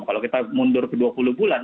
kalau kita mundur ke dua puluh bulan